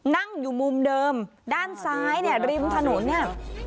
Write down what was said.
นั่งอยู่มุมเดิมด้านซ้ายเนี่ยริมถนนเนี่ย